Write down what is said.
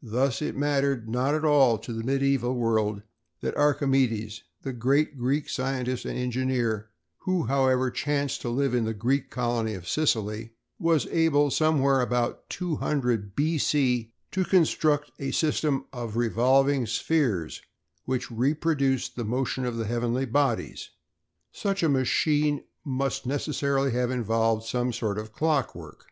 Thus, it mattered not at all to the medieval world that Archimedes, the great Greek scientist and engineer—who, however, chanced to live in the Greek colony of Sicily—was able, somewhere about 200 B. C., to construct a system of revolving spheres which reproduced the motion of the heavenly bodies. Such a machine must necessarily have involved some sort of clock work.